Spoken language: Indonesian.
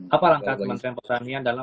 apa langkah menteri petanian dalam